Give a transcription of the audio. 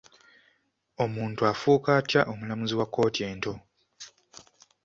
Omuntu afuuka atya omulamuzi wa kkooti ento?